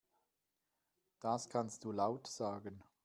Das kannst du laut sagen.